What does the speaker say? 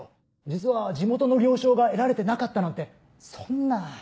実は地元の了承が得られてなかったなんてそんなぁ。